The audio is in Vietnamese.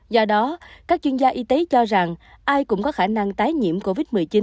do đó các chuyên gia y tế cho rằng ai cũng có khả năng tái nhiễm covid một mươi chín